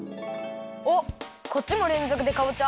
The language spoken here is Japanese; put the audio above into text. おっこっちもれんぞくでかぼちゃ？